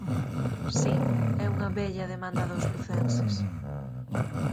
Si, é unha vella demanda dos lucenses.